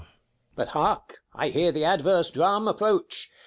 But hark, I hear the adverse drum approach.